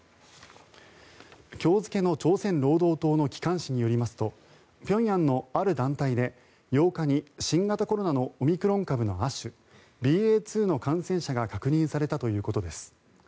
今日付の朝鮮労働党の機関紙によりますと平壌のある団体で８日に新型コロナのオミクロン株の亜種ＢＡ．２の感染者が確認されたということです。